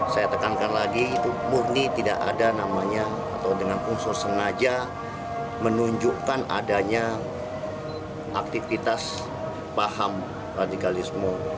saya tekankan lagi itu murni tidak ada namanya atau dengan unsur sengaja menunjukkan adanya aktivitas paham radikalisme